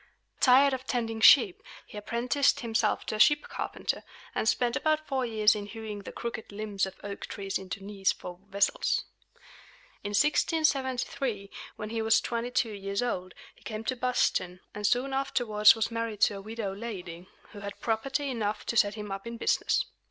Tired of tending sheep, he apprenticed himself to a ship carpenter, and spent about four years in hewing the crooked limbs of oak trees into knees for vessels. In 1673, when he was twenty two years old, he came to Boston, and soon afterwards was married to a widow lady, who had property enough to set him up in business.